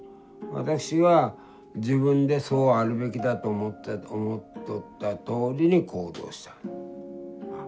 私は自分でそうあるべきだと思っとったとおりに行動した。